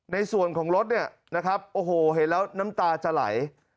ในส่วนของรถเนี่ยนะครับโอ้โหเห็นแล้วน้ำตาจะไหล